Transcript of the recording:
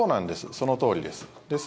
そのとおりです。